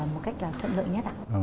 một cách là thuận lợi nhất ạ